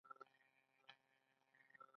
پیوند کول په کوم موسم کې ښه دي؟